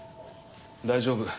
大丈夫。